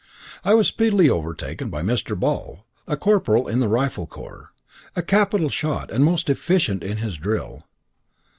I was speedily overtaken by Mr. Ball, a corporal in the rifle corps, a capital shot and most efficient in his drill.